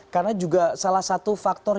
karena juga salah satu faktor